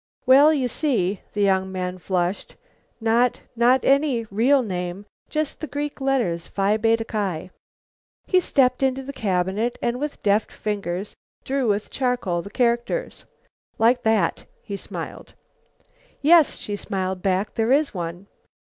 "Well, you see," the young man flushed, "not not any real name; just the Greek letters, Phi Beta Ki." He stepped into the cabinet and, with deft fingers, drew with charcoal the characters. "Like that," he smiled. "Yes," she smiled back, "there is one."